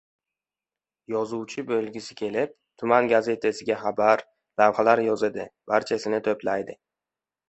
Yozuvchi bo‘lgisi kelib, tuman gazetasiga xabar, lavhalar yozadi, barchasini to‘playdi.